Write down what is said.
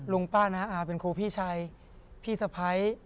ลุงป้าน้าอาเป็นครูพี่ชายพี่สะพ้าย